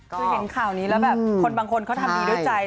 คือเห็นข่าวนี้แล้วแบบคนบางคนเขาทำดีด้วยใจ